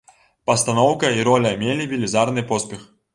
Пастаноўка і роля мелі велізарны поспех.